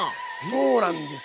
そうなんです。